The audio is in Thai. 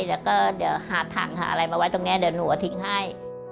แล้วก็เดี๋ยวหาถังหาอะไรมาไว้ตรงนี้เดี๋ยวหนูก็ทิ้งให้